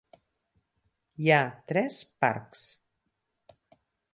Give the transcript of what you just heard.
Hi ha tres parcs.